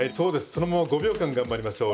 そのまま５秒間頑張りましょう。